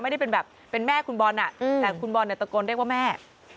ไม่ได้เป็นแบบเป็นแม่คุณบอลแต่คุณบอลเนี่ยตะโกนเรียกว่าแม่